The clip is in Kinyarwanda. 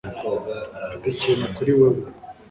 Mfite ikintu kuri wewe